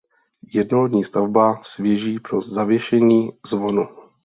Jednolodní stavba s věží pro zavěšení zvonu.